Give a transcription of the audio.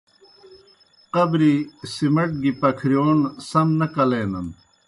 قبری سیمٹ گیْ پکھرِیون سم نہ کلینَن۔